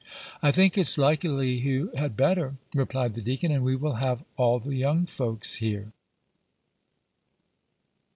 "I think it's likely you had better," replied the deacon, "and we will have all the young folks here."